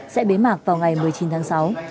sẽ bế mạc vào ngày một mươi chín tháng sáu